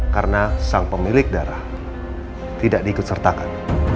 karena sang pemilik darah tidak diikutsertakan